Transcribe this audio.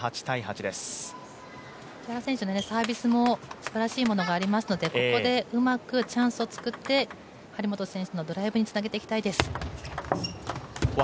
木原選手、サービスもすばらしいものがありますので、ここでうまくチャンスを作って張本選手のドライブにつなげていきたいです。